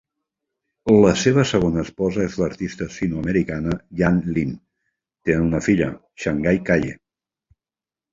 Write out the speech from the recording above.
La seva segona esposa és l'artista sinoamericana Yan Lin; tenen una filla, Shanghai Kaye.